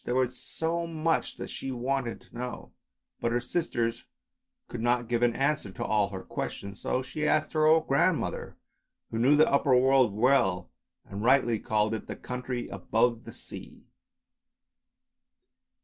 There was so much that she wanted to know, but her sisters could not give an answer to all her questions, so she asked her old grandmother who knew the upper world well, and rightly called it the country above the sea.